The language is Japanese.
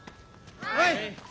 はい！